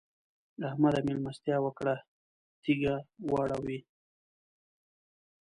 احمد؛ مېلمستيا وکړه - تيږه واړوئ.